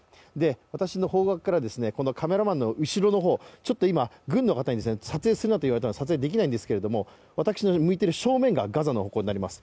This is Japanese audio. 私の方角からカメラマンの後ろのほう、軍の方に撮影するなと言われたので撮影できないんですけれども私が向いている正面がガザの方向になります。